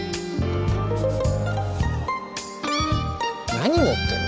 何持ってんの？